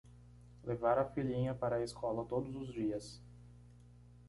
Levar a filhinha para a escola todos os dias